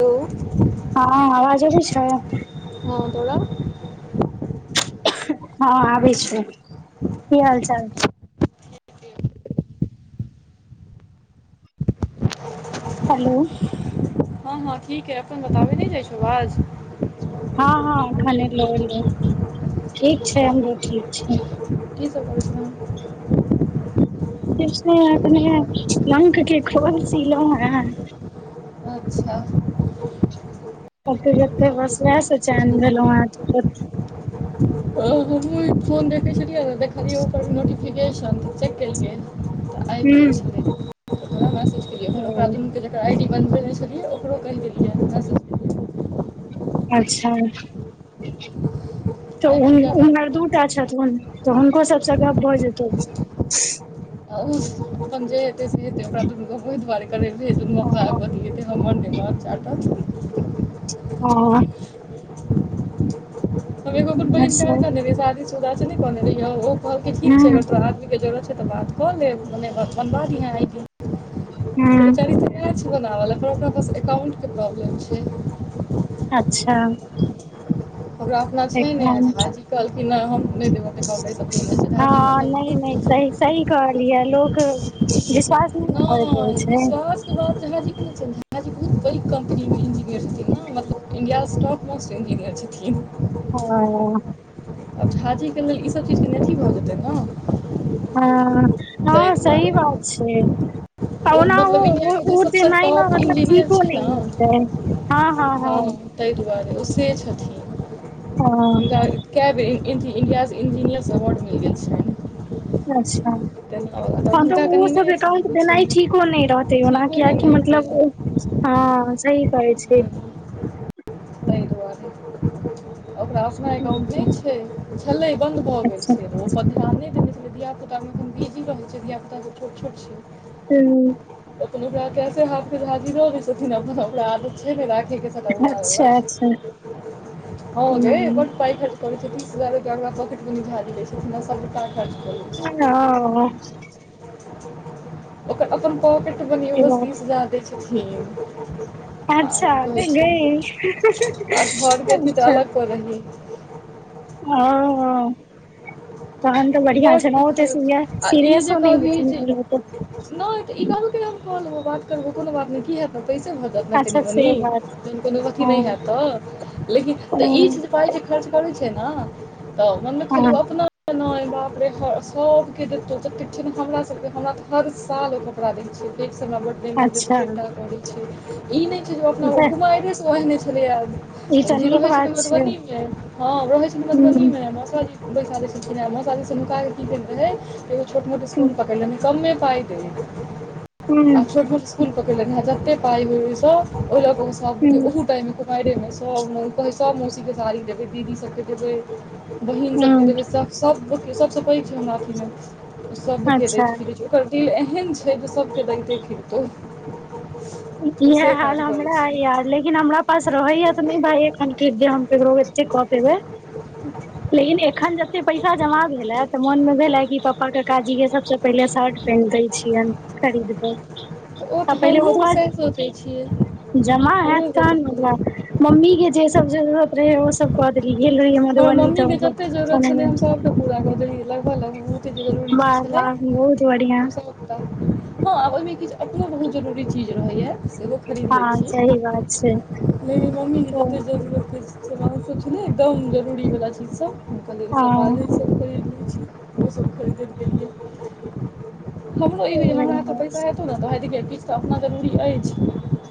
Hello ह आवाज भी छै। ह तोड़ा हँ आब छै कि हाल चाल हेलो। हँ हँ ठीक है अपन बताबे नहि जाइ छै आज ह ह खने ठीक छै अच्छा हमरो ठीक छी [unintelligible] अपने लक के खोल सिलहु हे [unintelligible] अच्छा। क जते बस उएह से चैन भेल हमहूँ फोन देखे छलियै देखलियै ऊपर नोटिफिकेशन त चेक केलियै त आबि गेल छलैराहसू केलियै फेर ओकरा हूं दुनू आइ डी बनबेने छलियै ओकरो कहि देलियै हमर सभके अच्छा त आइ पूजा भाभी उमर दूटा छथुन तऽ हुनको सभसँ गप्प भऽ जेतौ आ ओ अपन जे से ओकरा कोहि दुआरे कर ओ ब हमाम्यमे चार्ट। ओ। तऽ को कोन बहिन कर तऽ नहि साादी सुध त नहि कने रहि हँ ओ कहल कि ठीक छै अगर तोरा आदमी के जरूरत छै तऽ बात ख ले मने बस बनबा दाहि आइ त हूं बचारी छै बनाब ल फर ओकरा पास एकाउट के प्रॉब्लम छै। अच्छा। हमरा अपना छै ने एकदम झााजी कहलखिन नहि हम नहि देब तऽ कपा सभने छै झाजी मतलब बहुत से सही कहल यै लोक विश्वास नहि ने करैत रहै छै बादाजी के छैाजी बहुत बड़ी कम्पनी मे इंजीनियर छथिन ने मतलब इंडिया टॉप मोस्ट इंजीनियर छथिन। हैं। आब झाजी के लेलऽ ईसभ चीजके अथी भऽ जेतै ने ह ह ताहि सही दुआरे बात छै। त ओना मतलब ओ इण्डियाके ओ जे सभसँ जेना हैं ने टॉप मतलब इंजीनियर ठीक हो छै ने होतै हँ हँ ताहि दुआरे ओ से छथिन हँ हुनका। कैब इंडियास इंजीनियर्स अवार्ड मिल गेल छै अच्छा तब हँ तऽ हुनका ओ कनि नहि सभ अथी एकाउंट लगै देना छै ह ने, ठीक नहि रहते ओना ठीको नहि कियकि ने हेतै मतलब ओ हँ सही कहै छै। ताहि दुआरे ओकरा अपना गाम मे हँ नहि छै छलै बन्द भऽ गेल अच्छा छै तऽ ओपर ध्यान नहि देने छलै धियापुता कमे एखन बिजी रहै छै धियापुता के छोट छोट छै। हू अपनोरा कै हा हाजिर हो छथिन अचेमे रे अच्छा अच्छा उ ह रे ब हँ पाइा करै छै तीस हजार पॉकेट झाड़ी द छै हँ ओ अपन। पॉकेट बनी ओ ई बात बस्तीस जा दै छथिन। आ अच्छा कि तऽ कहै छी गई आ घरके अथी तऽ अच्छा अलग कर रही हैं हैं तन तऽ बढ़िआ छै बड्ड नेतै खर्च आ ई जे सीरियसो कहबही जे नहि नहि ई कहलब बात करबो कोनो बात नहि कि ह से भत अच्छा नेनि से बात मे कोनो अथ हँ नहि हत तऽ लेकिन त ई हँ पा खर्च करै छै ने तऽ मन हँ, खलिय अपना काप रे सभके देतहु ततेक छै ने हमरा सभके हमरा तऽ हर साल ओ कपड़ा दै छियै एकसँ हमरा बड़ एहिमे जे अच्छा फेता करैत छै ई नहि छै जे ई अपना तऽ बुमारिसँ ओहने छलैए ई तऽ जे नीक रहै छैन बात छै हूँ मधुबनी मे हँ रहै छै मधुबनी मे जी ओ शादीसँ शादी हुका की केलकै एगो छोट मोट हूँ इसकुल पकड़लेहूँ कमे पइ दे आ हूँ छो स्कुल पकड़ लहाँ जतेक पइ हो ओ सभ ओल हूँ ओह हो टाइम मे मौसी के सारी जे दीदी सक बहिन सभके हूँ, जे सभ सभसँ पैघ छै हमरा अथी मे सभके अच्छा देखैत फि ओकर देल एहन छै जे सभके दते खिरतै। इएह हाल हमरा छियै यार लेकिन हमरा। पास रहैया तऽ नहि भाय एखन कऽ दे हम केकरो एते कऽ देबे लेकिन एखन पैसा जमा भेलै तऽ मोन मे भेले कि पापा काकाजी के सभसँ पहिले शर्ट पहिन दे छियनि कररदप। तऽ ओ तऽ हमहूँ से सोचैत छियै जमा हयत हमरो कन मतलब सोचलियै मम्मी जेस जत्र रहे ओस कहादी एलरी मधबनी त पू लगभग बहुते जरुरी चीज वाह छलैस वाह बहुत बढ़िया हँ आब ओहिमे किछु एतना बहुत जरूरी चीज रहै सेहो। खरीद लै हँ छी सही बात छै लेकिन मम्मी के हँ जतेक जरूत होइ छै सवानसभ छै ने एकदम जरूरी वला चीज सभ हुनक हँ सवाजी सभके हमरो ई हो हमरा तऽ पैसा। ने दाइ किछ तऽ अपना जरूरी अछि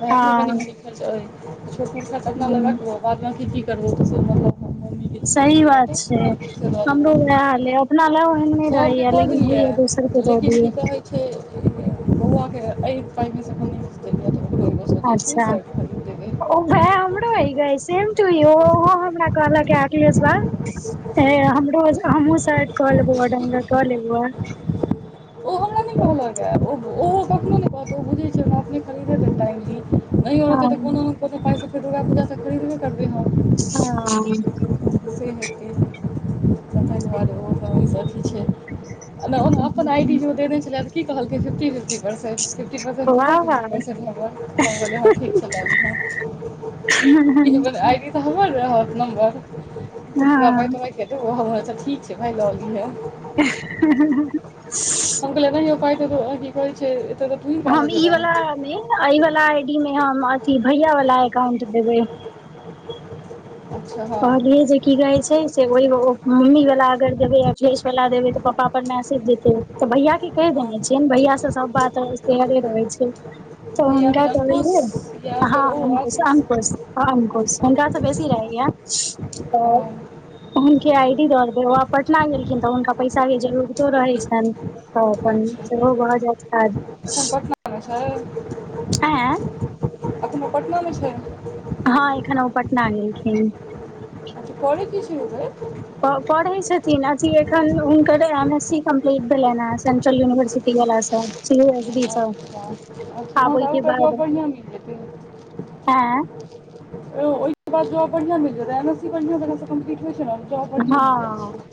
व अपनो कनि मरी ह छोट मोटका लगा कबहो बाद बी कि करबहो मतलब जे सह जरूरी बात छै रहतै से दऽ हमरो देबौ वह ले न ओहन न सभके रहैयै कऽ लेकिन देलियै ओए दोसर के लेकिन ददी की कहै छै बौआके एहि टाइमे सँ नहि सोचै छियै अच्छा। शर्ट खरीद देबै ओ भाय हमरो हे गे सेम टू यो ओहो हमरा कहलक है अखिलेश बा ह हमरो हमहुँ साइड कऽ लेबौ गंगा कऽ लेबौ ओ हमरा नहि कहलक ह ओ कखो नहि कहत ओ बुझैत छै हमरा अपने खरीदे दे टाइमी न हो रहत तऽ हँ कोनो कोनो पैसा फिर ज खरीदबे करे ह। खुशी हेतै तऽ ताहि दुआरे ओ त ओहिसँ अथी छै नहि अपन आई टी शो देने छलै कि कहलकिन फि परसेन्ट फिफ्टी परसेन्ट तऽ वाह फिफ्टी वाह परसेन्ट हमर कम गेलै हँ ठीक चली हँ आइडी तऽ हब रहत नम्बर करा तो हँ तच ठीक छै भाय ल रहलीहे [unintelligible] हपा त [unintelligible] छै एत तऽ। टा हम लऽ ई जेबे वाला मे वाला आई डी मे हम अथी भैया वाला एकाउंट देबै [unintelligible] अच्छा हँ कहले जे की कहे छै से ओहि मम्मी वालला अगर देबे अ फेस वला देबै तऽ पापा पर मैसेज देते तऽ भैया के कहि हँ देने छियैन भैया से सब बात शेहरे रहै छै त भैया हुनका मीन अंकुश कहलिए या हँ फेर ओ अंकुश आशीष अंकुश ह अंकुश अच्छा हुनका त बेसी रहैए [unintelligible] हुनके आई डी दऽ देलिए ओ आब पटना गेलखिन तऽ हुनका पैसा केँ जरूरतो रहैत छनि तऽ अपन अच्छा सेहो भऽ जैत एखन काज पटनामे छै [inaudible] [unintelligible] हँ एखन ओ पटना गेलखिन [inaudible] अच्छा करै कि छै ओ गै पढ़े छथिन अथी एखन हुनकर एम एस सी कम्प्लीट भेलेने है सेंट्रल यूनिवर्सिटी वला सँ सी ए एस बी छै अच्छा [unintelligible] [unintelligible] [inaudible] ओ ओहि बाद जाँब बढ़िया मिल जतै एम एस सी बढ़िआ जगह सँ कम्पलीट होइ छै नऽ हँ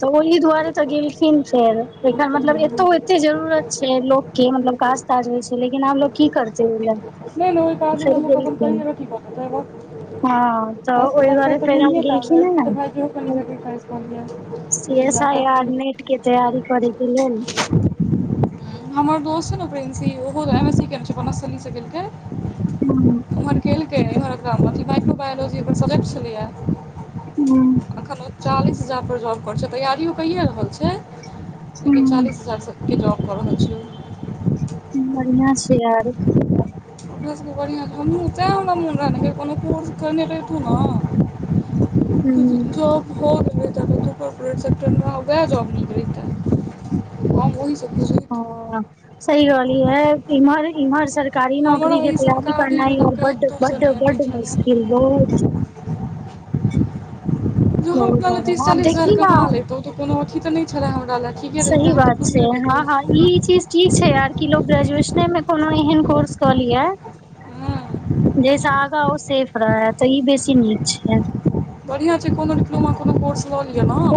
तऽ ओहि दुआरे तऽ गेलखिन फेर एकरा मतलब एतौ छै एते जरूरत से लोकके मतलब काज ताज होइ छै लेकिन आब लोकोग की करतै ओहि लए नहि नहि ओहि [inaudible] काजमे फेर लोक गेलखिन हँ तऽ ओहि दुआरे [unintelligible] फेर आब गेलखिन हे ने [unintelligible] C S I R net लड़का केँ तैयारी करे केँ लेल [unintelligible] हमर दोस्त छै ने प्रिंसी ओहोऽ एम एस सी कने छैलीसँ केलकै हूँ ओम्हर केलकै एम्हर काम अथी माइक्रो बायोलॉजी ओर सब्जेक्ट छलैए हूँ एखन ओ चालीस हजारपर जॉब कर छै तैयारियओ कैए रहल छै लेकिन हूँ चालीस हजार सँ की जॉव कर छै बढ़िआं छै यार ओकरा सभके बढ़िआँ हमहु तै हमरा मोन रह कोनो कोर्स करने रहैतू नऽ [unintelligible] [unintelligible] [unintelligible] [unintelligible] सही रहली है इम्हर इम्हर सरकारी हमरा नौकरी केँ ई तैयारी करना सरकारीमे है और बड्ड नकातसँ बड्ड नहि अथी बड्ड छलए मुश्किल बहुत [unintelligible] [inaudible] ज हूँ हम अपना लऽ जादा तीस आब चालीस हजार देखी न कमा लेतहुँ तऽ कोनो अथी तऽ नहि छलै हमरा लए ठीके रहितै हम से खुशे हँ रहितहुँ हँ ई चीज की छै यार कि ग्रेजुएशने मे कोनो एहन कोर्स कऽ लिया हँ जैस आगा ओ सेफ रहा है तऽ ई बेसी नीक छै बढ़ियां छै कोनो डिप्लोमा कोनो कोर्स लऽ लिए नऽ [unintelligible]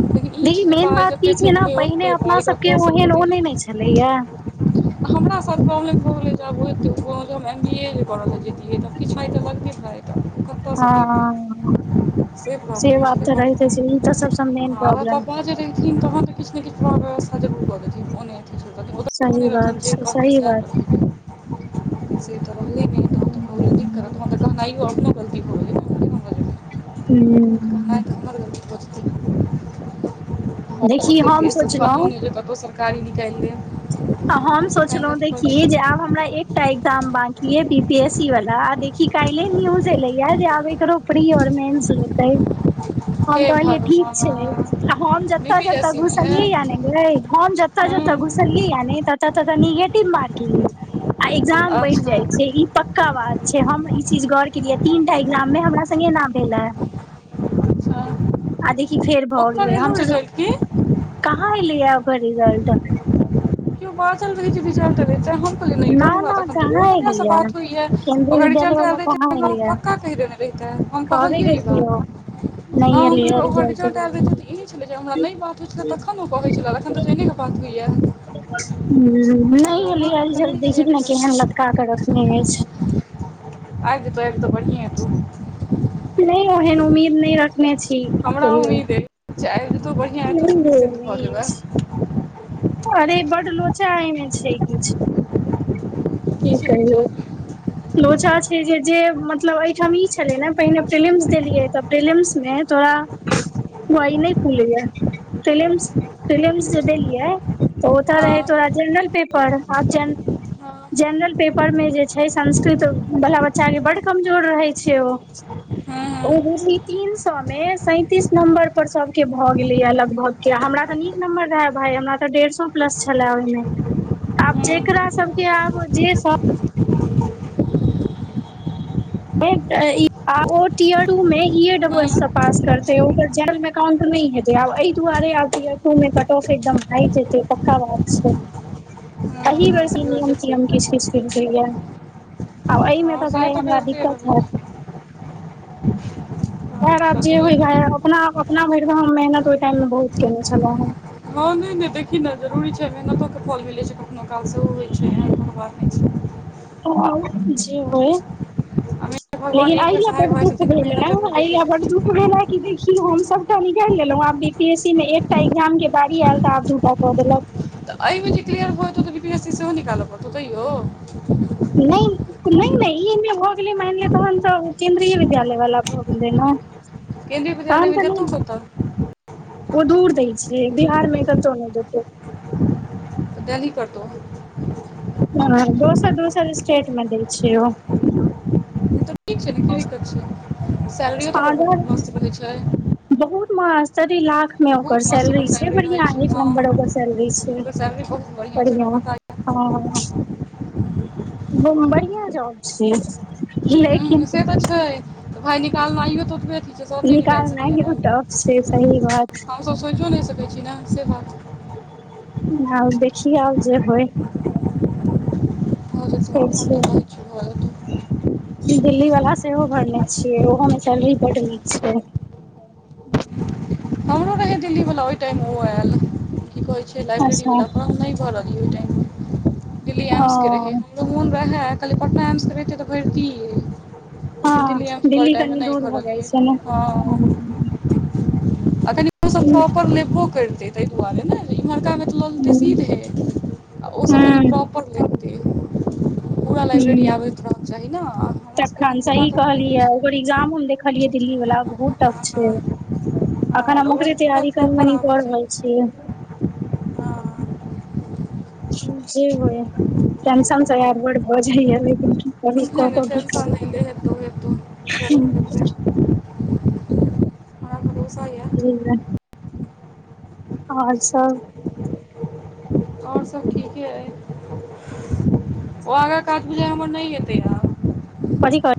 लेकिन ई देखी छै जे मेन पाइ बात की जतेक छै न फेकबै पहिने ओतेक अपना पाइ सब केँ कतयसँ ओहन ओ एतै नै न छलैया [inaudible] [unintelligible] [inaudible] कतयसँ देबै हँ से बात तऽ रहते इ तऽ सभसँ मेन प्रॉब्लम हम जे देख छी तहन तऽ किछु ने किछु व्यवस्था जरू कर दैथिन ओने। ओ तऽ सही कहनै रहथिन बात जे छै कहथिन सही बात सेहे करबै से तऽ हम एगो ओरो। हू मे कहनाइ तऽ हमर गलती बजतै ओ। हम ओते तेज देखी स हम छलहै नहि सोचलहुँ जे कतहूँ सरकारी निकालि दे तऽ हम सोचलहुँ देखी जे आब हमरा एक। एकटा ए्जाम बंकी बी पी एस ई वाला आ देखी क न्यूज एले जे आब एकरो फ्री और मेस लैयते हम हे कहलियै ठीक छैय। भगवान आ हम बी जतऽ पी जतऽ एस सी मे घुसलियै या ने गे हम जतऽ। हँ तऽ घुसल य ने तऽ तऽ निगेटिव मार्किग आइ एग्जाम बढ़ि जाइ अच्छा छै ई प क बात छै हम ई चीज गौर केलियै तीनटा एग्जाम मे हमरा सने ऐना भेल अच्छा आ देखी फेर भऽ ओकर गेलै एलौ हमसँ रिजल्ट की कहाँ एलेया ओकर रिजल्ट किओ बाचल रहै छै विचारै करे त हम। अरे नहि त ना हमरा ना तऽ अखन तऽ कहाँ रोज ओकर सँ एलैया बात होइय केन्द्रीय ओकर विद्यालय रिजल्ट एल वाला रहितै त। कहाँ हमरा ओ एलैया पका कहहि देने रहितै हम कहबे कहलियै ए करतियौ बात हँ नहि एलै ओकर रिजल्ट रिजल ऐल रहितै तऽ इ ईह छलै जे हमरा नहि बात होइत छल तखन ओ कहै छलै एखन तऽ जने बात होइए। हम हम नहि कहलियै एलैया एखन रिजल्ट नहि दैखय छि एलैए कि नैय केहन लटका कऽ रखने अछि। आइब जेतो आइब जेतो बहिन। नहि ओहन उम्मीद नहि रखने छी कि कहियौ। चाय देतो बहिन। ह। अरे बड लोचा आमे छै कि की छै कहियो सोचल लोचा छै जे जे मतलब आइ ठाम ई छले ने पहिने पिलिम्स देलियै तऽ प्रिलिम्स मे तोरा। व ई नहि फुलै य पियमस जे देलियै त होता हँ रहै तोड़ा जनरल पेपरब हँ जेनरल पेपर मे जे छै स संकृत तऽ बाल बच्चा के बड्ड कमजोर रहै छै ओ हँ हँ। ओ तीन सए मे सै तीस नम्बर पर सभके भए गेले या लगभग हमरा तऽ नीक नम्बर रहय भााय हमरा तऽ डेढ़ सए प्लस छलए ओहि मे आब हँ हँ जेकरा सभके आब जे सभ मे ई एडब्लू एस हँ पास करते कतउंट हेतै आब एहि दुआरेब इयरटू मे कट ऑफ एकदम ह जेतै पक्का बात छै हँ एहि बेर से नियम नियम हँ किछ किछ किछै आ एहिमे हँ तऽ से भाय हमरा करिते दिक्कत रहबै हैत। [unintelligible] भऽ अच्छा जे दूइ होय ह अपना अपना भरि हम मेहनत ओहि टाइम मे बहुत केने छलहुँ हे हँ नहि नहि देखी ने जरूरी छै मेहनतोके फल मिलैत छै कखनो काल सेहो होइत छै एहन कोनो बात नहि छै। जी भऽ आ मेहनत भगवान लेकिन एक बेर अइय सहाय बड भऽ जाइ दुख छथिन तऽ भेलेल मेहनत ह जरूर देखै अइया बड़ दुख छथिन भेलेलै कि देखी हम सभटा निकालि लेलहुँं आब बी पी एसमे एकटा एग्जाम के बारी आयल तऽ आब दूटा कऽ देलक तऽ एहिमे जे कलियर भौ पी एस सी सेहो निकालऽ पड़तौ तै। नहि। नहि नहि ई भऽ गेलै मान ले तहन तऽ केन्द्रीय विद्यालय वाला भऽ गेलै ने कद तहन पजानेमेज तऽ तो नहि पता। ओ दूर दय छिये बिहार मे कतहु नहि जेतै दनी करतौ ह दोसर दोसर स्टेट मे दै छैय ओ तऽ ठीक छै ने की दिक्कत छै सैलरी तऽ ओकर ओ बहुत मस्त रहै छै बहुत मासर ने ओकर बहुत मस्त ओकर सैलरी छै रहै बढ़िया एक छै हँ नंबर ओकर सैलरी छै ओकर सैलरी बहुत बढ़िआँ छै बढ़िया हमरा पता ह बढ़िआ जाउ छै लेकिन हैं से तऽ छै भाय निकालनाइो तो उ निकालना हैं तफ छै सही बात सोचि नहि सकैत छी ने से बात। और देखि और जे होइ अ छै। कि। दिल्ली वला सेहो भरने छियै ओहो मे चैलरी बढ़ली छै। दिल्ली वालला ओहि टाइम ओ आयल कि कहे छै लाइब्रेरी अच्छा वाला फ नहि भरत टाइम दिल्ली एम्स के रहे। ओ मोन रहै काली पटना एम्स के बे तऽ भरि लेकिन हँ दिल्ली मे छेल ओहि टाइमे कनि नहि दूर भऽ जाइ घरलियै छै ने हँ हमसभ पॉपर लेबो करतै ताहि दुआरे ने इम्हरकामे तऽ लऽ लेतै ह सीधे। ओ सभ ह प्रॉपर लऽ [inaudible] ह चाही ने आ हमरासभके तखन एखन ओतना सही तऽ अबै कहली है ओकर नहि एजाम हम देख लियै दिल्ली वाला बहुत टफ छै अखन हँ तऽ हमकरे ओकरा ओकरा तैयरी कर प्रॉपर ने आबऽ कोर होइ चाही छै हँ। जे होइ कमसन स आर बड भऽ जाइै तऽ नहि को सभ नहि भी कर टेंशन नहि ले हेतौ हेतौ जरूर हेतौ हमरा भरोसा यै ह। ओ सभ और सभ ठीक हैं ओ आगा काज बुझा हमर नहि हेते य कथी